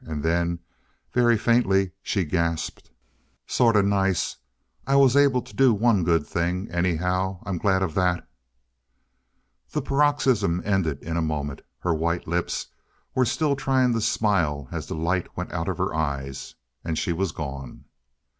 And then, very faintly she gasped: "Sort of nice I was able to do one good thing anyhow. I'm glad of that " The paroxysm ended in a moment. Her white lips were still trying to smile as the light went out of her eyes and she was gone.